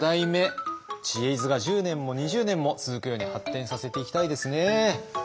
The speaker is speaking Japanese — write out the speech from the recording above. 「知恵泉」が１０年も２０年も続くように発展させていきたいですね。